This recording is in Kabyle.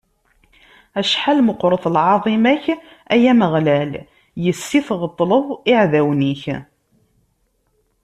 Acḥal meqqret lɛaḍima-k, ay Ameɣlal, yes-s i tɣeṭṭleḍ iɛdawen-ik.